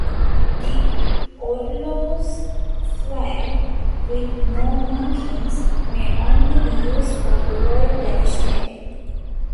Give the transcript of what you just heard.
The "Orlogsflag" with no markings, may only be used by the Royal Danish Navy.